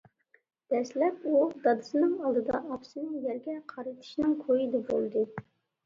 دەسلەپ ئۇ دادىسىنىڭ ئالدىدا ئاپىسىنى يەرگە قارىتىشنىڭ كويىدا بولدى.